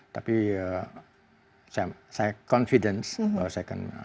tapi ya saya yakin bahwa saya akan melakukannya